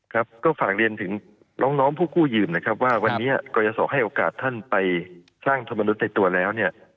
ครับก็ฝากเรียนถึงน้องผู้กู้ยืมนะครับว่าวันนี้กรยาศรให้โอกาสท่านไปสร้างธรรมนุษย์ในตัวแล้วเนี่ย